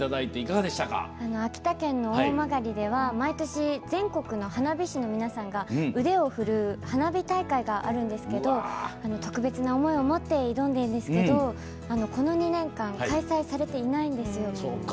秋田県の大曲では、全国の花火師の皆さんが腕を振るう花火大会があるんですけど特別な思いを持って挑んでいるんですけれどこの２年間開催されていないんですよ。